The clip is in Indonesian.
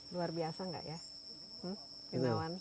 luar biasa tidak ya